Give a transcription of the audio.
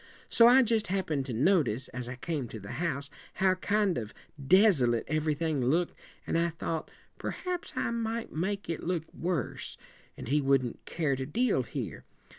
So I just happened to notice, as I came to the house, how kind of desolate everything looked, and I thought perhaps I might make it look worse, and he wouldn't care to deal here.